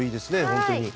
本当に。